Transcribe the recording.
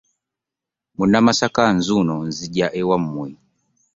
Munnamasaka nzuno nzija ewammwe .